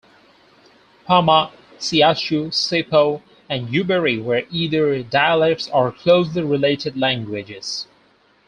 Pama, Sewacu, Sipo, and Yuberi were either dialects or closely related languages.